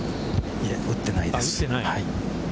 いえ、打っていないです。